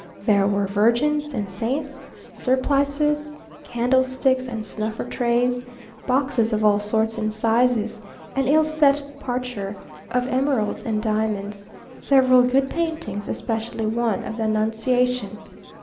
There were virgins and saints, surplices, candlesticks, and snuffer trays; boxes of all sorts and sizes; an ill set parure of emeralds and diamonds; several good paintings, especially one of the Annunciation.